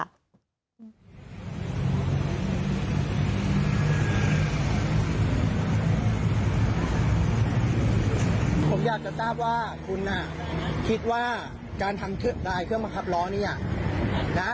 ผมอยากจะตามว่าคุณน่ะคิดว่าการทำรายเครื่องขับร้อนี่น่ะ